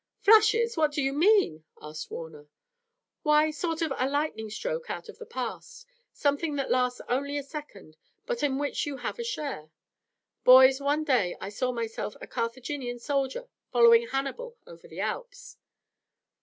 "Flashes! What do you mean?" asked Warner. "Why, a sort of lightning stroke out of the past. Something that lasts only a second, but in which you have a share. Boys, one day I saw myself a Carthaginian soldier following Hannibal over the Alps."